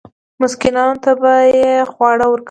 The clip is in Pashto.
مسکینانو ته به یې خواړه ورکول.